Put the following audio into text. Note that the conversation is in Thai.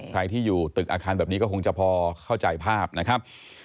ใครที่อยู่ตึกอาคารแบบนี้ก็คงจะพอเข้าใจภาพนะครับ